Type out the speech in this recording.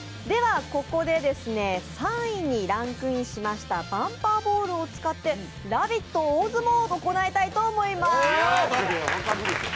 ではここで３位にランクインしましたバンパーボールを使ってラヴィット大相撲を行いたいと思います。